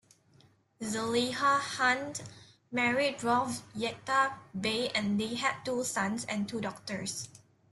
Zeliha Han married Rauf Yekta Bey and they had two sons and two daughters.